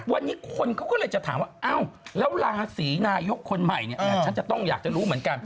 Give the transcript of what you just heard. วันนี้คนเขาก็เลยจะถามว่าอ้าวแล้วราศีนายกคนใหม่เนี่ยฉันจะต้องอยากจะรู้เหมือนกัน